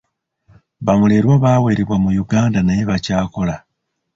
Bamulerwa baawerebwa mu Uganda naye bakyakola.